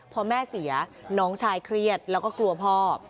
พอแม่เสียน้องชายเครียดแล้วก็กลัวพ่อ